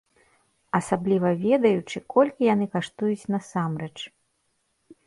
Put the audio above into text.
Асабліва ведаючы, колькі яны каштуюць насамрэч.